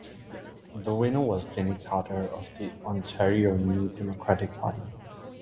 The winner was Jenny Carter of the Ontario New Democratic Party.